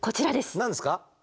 何ですか？